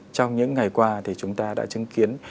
trong những ngày qua thì chúng ta đã chứng kiến